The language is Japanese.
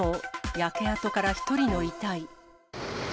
焼け跡から１人の遺体。